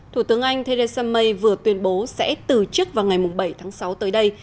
thủ tướng anh theresa may vừa tuyên bố sẽ từ chức vào ngày bảy tháng sáu tới đây